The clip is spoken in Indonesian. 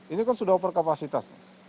ini kan sudah over kapasitas